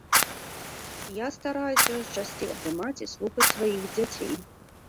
Я стараюся часцей абдымаць і слухаць сваіх дзяцей.